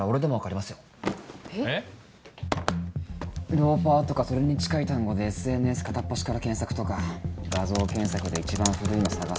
「ローファー」とかそれに近い単語でＳＮＳ片っ端から検索とか画像検索で一番古いの探すとか。